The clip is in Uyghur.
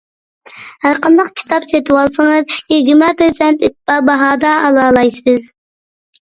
ھەرقانداق كىتاب سېتىۋالسىڭىز، يىگىرمە پىرسەنت ئېتىبار باھادا ئالالايسىز.